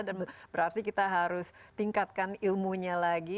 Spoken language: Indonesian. dan berarti kita harus tingkatkan ilmunya lagi